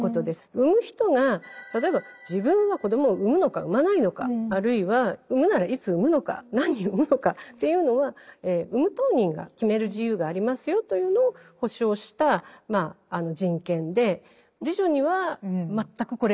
産む人が例えば自分が子どもを産むのか産まないのかあるいは産むならいつ産むのか何人産むのかっていうのは産む当人が決める自由がありますよというのを保障した人権で侍女には全くこれがありません。